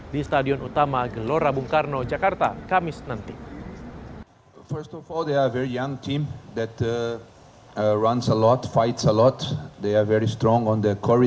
di stadion utama gelora bung karno jakarta kamis nanti